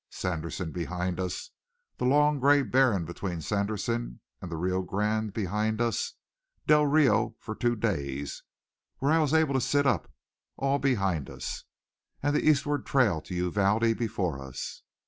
Sanderson behind us, the long gray barren between Sanderson and the Rio Grande behind us, Del Rio for two days, where I was able to sit up, all behind us and the eastward trail to Uvalde before us!